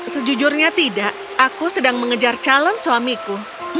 sejujurnya tidak aku sedang mengejar calon suamiku